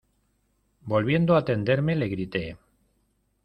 volviendo a tenderme le grité: